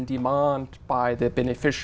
đang truy cập